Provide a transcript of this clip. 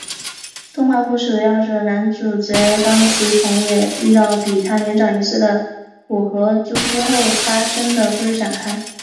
动画故事围绕着男主角冈崎朋也遇到比他年长一岁的古河渚之后发生的故事展开。